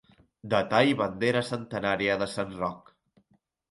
Detall bandera centenària de Sant Roc.